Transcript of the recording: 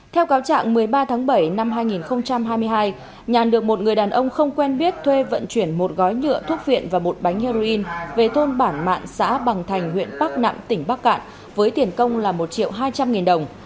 theo cáo trạng một mươi ba tháng bảy năm hai nghìn hai mươi hai nhàn được một người đàn ông không quen biết thuê vận chuyển một gói nhựa thuốc viện và một bánh heroin về thôn bản mạng xã bằng thành huyện bắc nẵm tỉnh bắc cạn với tiền công là một triệu hai trăm linh nghìn đồng